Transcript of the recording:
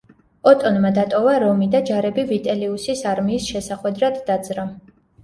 ოტონმა დატოვა რომი და ჯარები ვიტელიუსის არმიის შესახვედრად დაძრა.